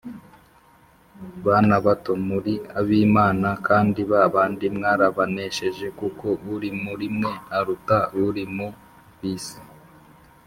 Bana bato, muri ab’Imana kandi ba bandi mwarabanesheje, kuko uri muri mwe aruta uri mu b’isi.